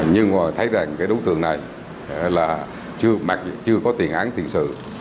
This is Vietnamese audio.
nhưng mà thấy rằng cái đối tượng này là mặc dù chưa có tiền án thiện sự